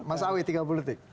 mas awi tiga puluh detik